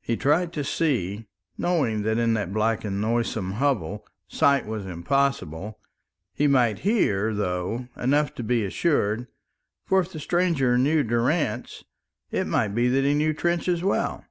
He tried to see, knowing that in that black and noisome hovel sight was impossible. He might hear, though, enough to be assured. For if the stranger knew Durrance, it might be that he knew Trench as well.